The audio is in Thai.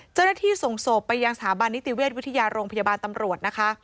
เจ้าหน้าที่ส่งศพไปยังสถาบันนิติเวชวิทยาโรงพยาบาลตำรวจนะคะ